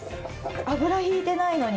油引いてないのに。